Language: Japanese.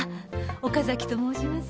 岡崎と申します。